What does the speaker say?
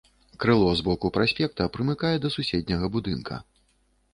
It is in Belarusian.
Крыло з боку праспекта прымыкае да суседняга будынка.